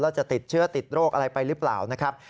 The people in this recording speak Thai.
แล้วจะติดเชื้อติดโรคอะไรไปหรือเปล่านะครับ